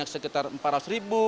sekitar empat ratus ribu